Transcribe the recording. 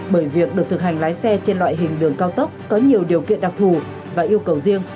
bởi việc được thực hành lái xe trên loại hình đường cao tốc có nhiều điều kiện đặc thù và yêu cầu riêng